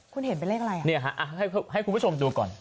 คุณเห็นเป็นเลขอะไรอ่ะเนี่ยฮะให้คุณผู้ชมดูก่อน